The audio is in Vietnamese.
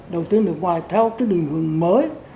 đầu tư nước ngoài theo cái định hướng mới